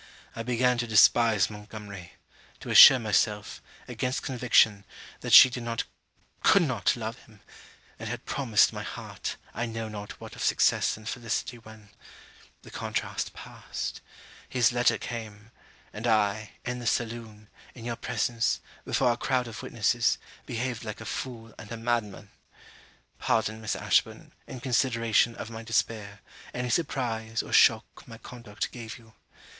I began to despise Montgomery; to assure myself, against conviction, that she did not could not love him; and had promised my heart I know not what of success and felicity when the contrast past; his letter came; and I, in the saloon, in your presence, before a crowd of witnesses, behaved like a fool and a madman. Pardon, Miss Ashburn, in consideration of my despair, any surprise or shock my conduct gave you.